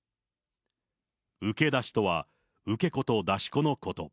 受け出しとは、受け子と出し子のこと。